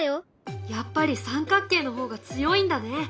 やっぱり三角形の方が強いんだね。